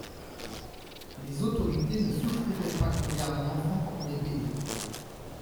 Les autorités ne souffriraient pas qu'on garde un enfant quand on est payé.